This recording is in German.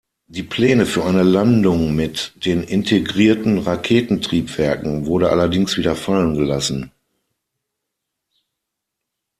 Die Pläne für eine Landung mit den integrierten Raketentriebwerken wurde allerdings wieder fallengelassen.